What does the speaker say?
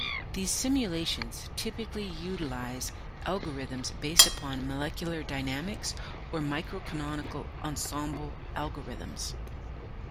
These simulations typically utilize algorithms based upon molecular dynamics or microcanonical ensemble algorithms.